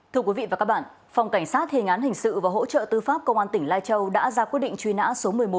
thưa quý vị và các bạn phòng cảnh sát thề ngán hình sự và hỗ trợ tư pháp công an tỉnh lai châu đã ra quyết định truy nã số một mươi một